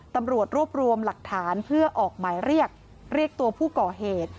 ตำรวจรวบรวมหลักฐานเพื่อออกหมายเรียกเรียกตัวผู้ก่อเหตุ